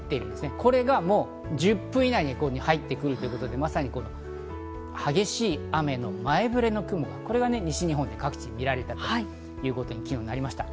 これがもう１０分以内に入ってくるということでまさに激しい雨の前ぶれの雲、これが西日本各地で見られたということに昨日なりました。